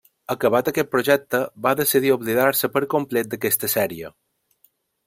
Acabat aquest projecte, va decidir oblidar-se per complet d'aquesta sèrie.